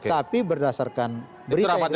tapi berdasarkan berita yang kita baca